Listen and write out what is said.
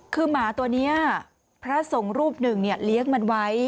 คือหมาตัวนี้พระสงฆ์รูปหนึ่งเลี้ยงมันไว้